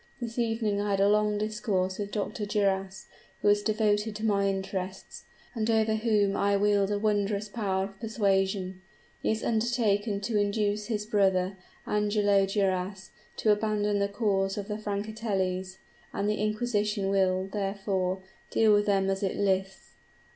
This evening I had a long discourse with Dr. Duras, who is devoted to my interests, and over whom I wield a wondrous power of persuasion. He has undertaken to induce his brother, Angelo Duras, to abandon the cause of the Francatellis; and the inquisition will, therefore, deal with them as it lists.